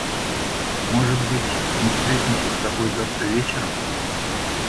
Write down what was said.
Может быть, мы встретимся с тобой завтра вечером?